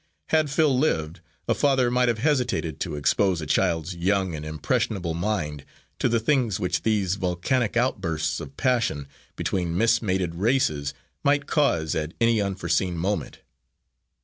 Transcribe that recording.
Had Phil lived, a father might have hesitated to expose a child's young and impressionable mind to the things which these volcanic outbursts of passion between mismated races might cause at any unforeseen moment.